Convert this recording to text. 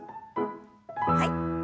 はい。